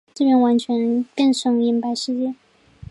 这边完全变成银白世界